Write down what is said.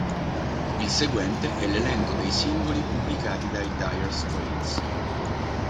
Il seguente è l'elenco dei singoli pubblicati dai Dire Straits.